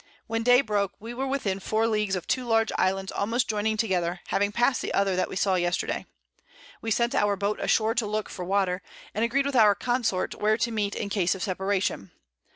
When Day broke we were within 4 Leagues of 2 large Islands almost joining together, having passed the other that we saw yesterday. We sent our Boat ashore to look for Water, and agreed with our Consort where to meet in case of Separation.